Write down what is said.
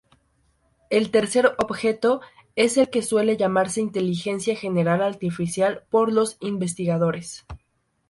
El tercer objetivo es el que suele llamarse inteligencia general artificial por los investigadores.